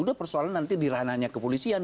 udah persoalan nanti diranahnya ke polisian